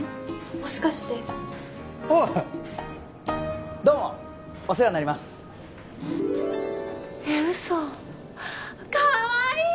もしかしておうどうもお世話になりますえっ嘘っかわいい！